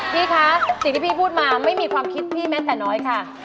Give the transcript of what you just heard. พี่คะสิ่งที่พี่พูดมาไม่มีความคิดพี่แม้แต่น้อยค่ะ